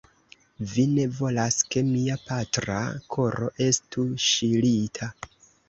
Vi ne volas, ke mia patra koro estu ŝirita.